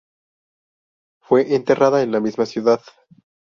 Fue enterrada en la misma ciudad.